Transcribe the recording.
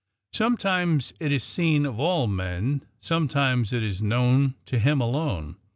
Sometimes it is seen of all men; sometimes it is known to Him alone.